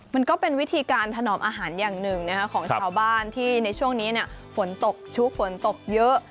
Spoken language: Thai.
มันก็เป็นวิธีการถนอมอาหารอย่างหนึ่งของชาวบ้านที่ในช่วงนี้ฝนตกชุกฝนตกเยอะ